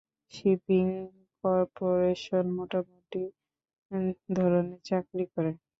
Shipping করপোরেশনে মোটামুটি ধরনের চাকরি করে।